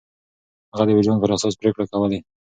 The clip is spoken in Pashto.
هغه د وجدان پر اساس پرېکړې کولې.